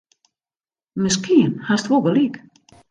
Miskien hast wol gelyk.